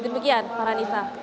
begitu pak ranisa